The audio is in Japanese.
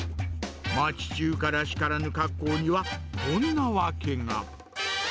町中華らしからぬ格好には、こんな訳が。